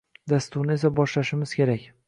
Dasturni esa boshlashimiz kerak.